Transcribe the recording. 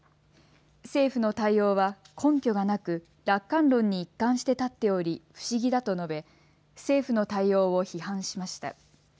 政府の対応は根拠がなく楽観論に一貫して立っており不思議だと述べ政府の対応を批判しました。